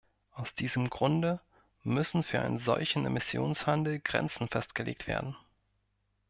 Aus diesem Grunde müssen für einen solchen Emissionshandel Grenzen festgelegt werden.